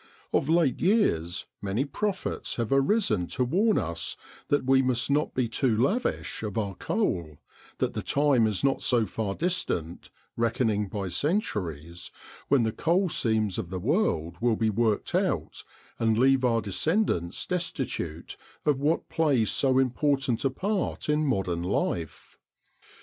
Of late years many prophets have arisen to warn us that we must not be too lavish of our coal; that the time is not so far distant, reckoning by centuries, when the coal seams of the world will be worked out and leave our descendants destitute of what plays so important a part in modern life.